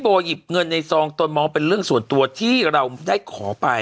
หยิบเงินในซองตนมองเป็นเรื่องส่วนตัวที่เราได้ขอไป